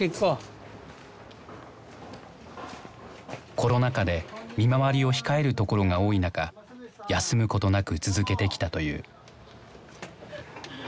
コロナ禍で見回りを控えるところが多い中休むことなく続けてきたという。